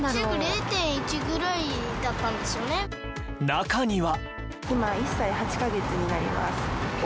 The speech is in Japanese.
中には。